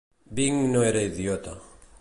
Bing no era idiota.